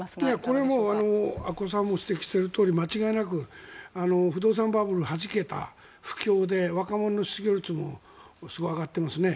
これは阿古さんも指摘しているとおり、間違いなく不動産バブルがはじけた不況で若者の失業率もすごく上がっていますね。